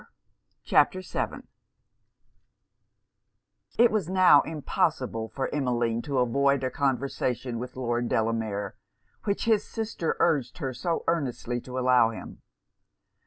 ] CHAPTER VII It was now impossible for Emmeline to avoid a conversation with Lord Delamere, which his sister urged her so earnestly to allow him.